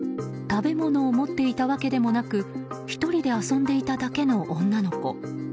食べ物を持っていたわけでもなく１人で遊んでいただけの女の子。